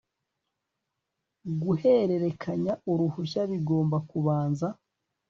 guhererekanya uruhushya bigomba kubanza